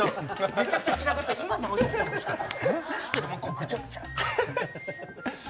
めちゃくちゃちらかって今直しに来てほしかった。